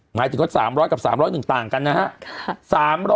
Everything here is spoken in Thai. หมายถึงว่า๓๐๐กับ๓๐๐หนึ่งต่างกันนะครับ